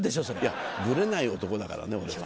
いやぶれない男だからね俺は。